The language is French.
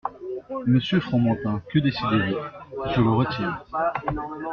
Monsieur Fromantin, que décidez-vous ? Je le retire.